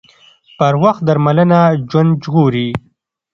پر وخت درملنه ژوند ژغوري